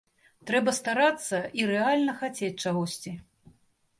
Трэба старацца і рэальна хацець чагосьці.